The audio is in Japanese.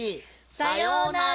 さようなら！